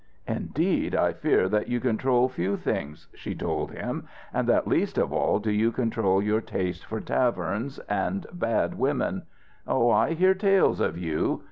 "Indeed, I fear that you control few things," she told him, "and that least of all do you control your taste for taverns and bad women. Oh, I hear tales of you!"